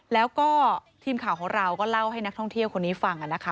แล้วก็ทีมข่าวของเราก็เล่าให้นักท่องเที่ยวคนนี้ฟังนะคะ